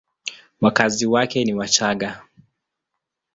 Wakazi wake ni Wachagga.